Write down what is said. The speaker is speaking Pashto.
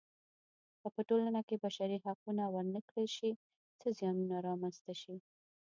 که په ټولنه کې بشري حقونه ورنه کړل شي څه زیانونه رامنځته شي.